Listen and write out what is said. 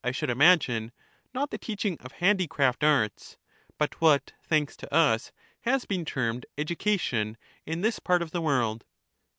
should imagine, not the teaching of handicraft arts, but what, thanks to us, has been termed education in this part of the world.